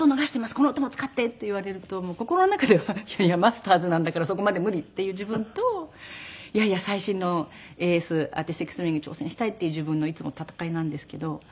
「この音も使って」って言われると心の中ではいやいやマスターズなんだからそこまで無理っていう自分といやいや最新のＡＳアーティスティックスイミングに挑戦したいっていう自分のいつも闘いなんですけど。